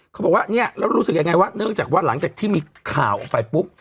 เขาบอกว่าเนี่ยแล้วรู้สึกยังไงว่าเนื่องจากว่าหลังจากที่มีข่าวออกไปปุ๊บ